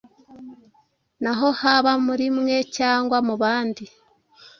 naho haba muri mwe, cyangwa mu bandi ;